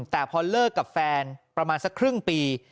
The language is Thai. แต่พอเลิกกับแฟนประมาณสักครึ่งปี